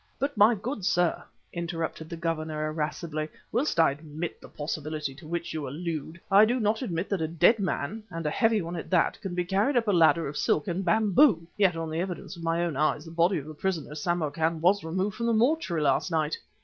"But, my good sir," interrupted the Governor irascibly, "whilst I admit the possibility to which you allude, I do not admit that a dead man, and a heavy one at that, can be carried up a ladder of silk and bamboo! Yet, on the evidence of my own eyes, the body of the prisoner, Samarkan, was removed from the mortuary last night!"